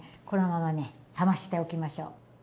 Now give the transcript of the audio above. このままね冷ましておきましょう。